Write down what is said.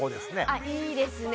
あいいですね。